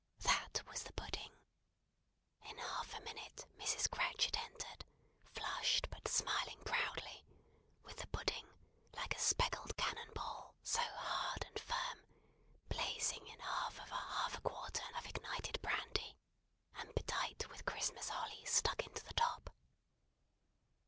That was the pudding! In half a minute Mrs. Cratchit entered flushed, but smiling proudly with the pudding, like a speckled cannon ball, so hard and firm, blazing in half of half a quartern of ignited brandy, and bedight with Christmas holly stuck into the top.